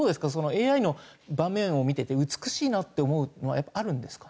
ＡＩの盤面を見てて美しいなと思うのはやっぱりあるんですか？